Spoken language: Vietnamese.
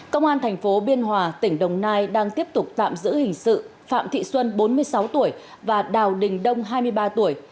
công an thành phố biên hòa tỉnh đồng nai đang tiếp tục tạm giữ hình sự phạm thị xuân bốn mươi sáu tuổi và đào đình đông hai mươi ba tuổi